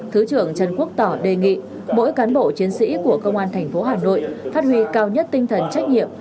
thứ trưởng trần quốc tỏ đề nghị mỗi cán bộ chiến sĩ của công an thành phố hà nội phát huy cao nhất tinh thần trách nhiệm